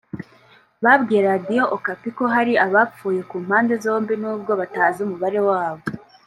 babwiye Radiyo Okapi ko hari abapfuye ku mpande zombi nubwo batazi umubare wabo